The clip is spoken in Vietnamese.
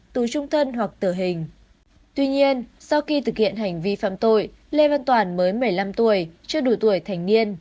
tuy nhiên sau khi thực hiện hành vi phạm tội lê văn toàn mới một mươi năm tuổi chưa đủ tuổi thành niên